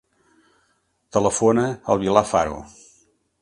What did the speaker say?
Telefona al Bilal Faro.